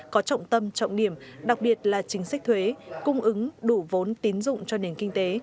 có trọng tâm trọng điểm đặc biệt là chính sách thuế cung ứng đủ vốn tín dụng cho nền kinh tế